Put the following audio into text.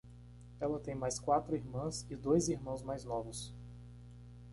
Ela tem mais quatro irmãs e dois irmãos mais novos.